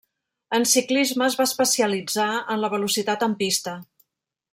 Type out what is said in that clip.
En ciclisme es va especialitzar en la Velocitat en pista.